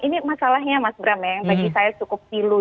ini masalahnya mas bram ya yang bagi saya cukup pilu